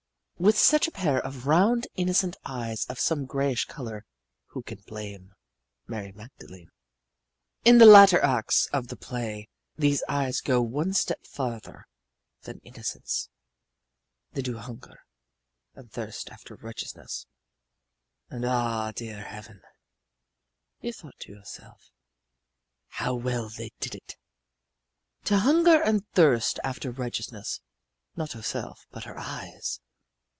With such a pair of round, innocent eyes of some grayish color who can blame Mary Magdalene? In the latter acts of the play these eyes go one step farther than innocence: they do hunger and thirst after righteousness. And, ah, dear heaven (you thought to yourself), how well they did it! To hunger and thirst after righteousness not herself, but her eyes.